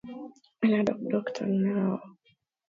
We need a doctor now!